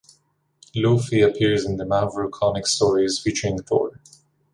Laufey appears in the Marvel Comics stories featuring Thor.